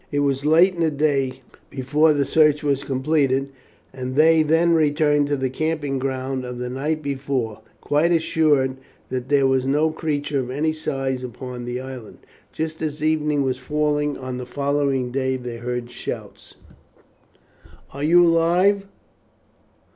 It was late in the day before the search was completed, and they then returned to the camping ground of the night before, quite assured that there was no creature of any size upon the island. Just as evening was falling on the following day they heard shouts. "Are you alive?"